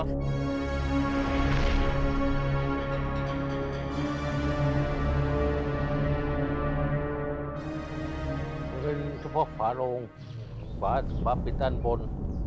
เป็นเฉพาะฝาโลงฝาปิดด้านบน